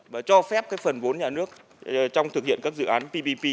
và cho phép phần vốn nhà nước trong thực hiện các dự án ppp